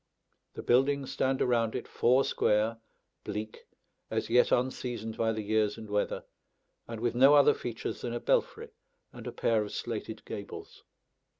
The buildings stand around it four square, bleak, as yet unseasoned by the years and weather, and with no other features than a belfry and a pair of slated gables.